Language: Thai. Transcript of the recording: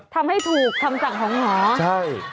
ทำให้ถูกคำสั่งของหมอใช่